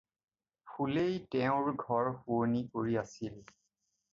ফুলেই তেওঁৰ ঘৰ শুৱনি কৰি আছিল।